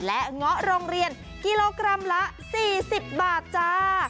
และเงาะโรงเรียนกิโลกรัมละ๔๐บาทจ้า